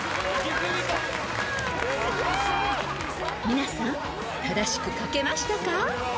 ［皆さん正しく書けましたか？］